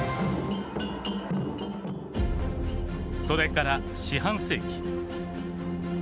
それから四半世紀。